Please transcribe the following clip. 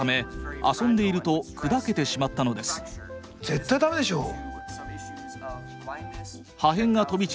絶対ダメでしょう。